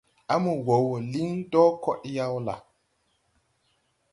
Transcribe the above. À mo wɔɔ wɔ liŋ dɔɔ kɔɗyaw la?